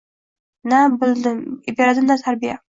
Na bilim beradi, na tarbiya.